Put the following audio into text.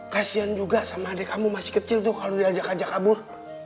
kasian juga sama adik kamu masih kecil tuh kalau diajak ajak kabur